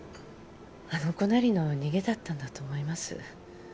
あの子なりの逃げだったんだと思います